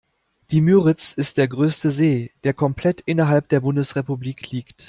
Die Müritz ist der größte See, der komplett innerhalb der Bundesrepublik liegt.